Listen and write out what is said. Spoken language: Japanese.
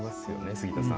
杉田さん。